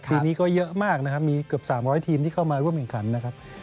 ปีนี้ก็เยอะมากนะครับมีเกือบ๓๐๐ทีมที่เข้ามาร่วมแข่งขันนะครับ